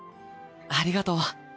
ありがとう。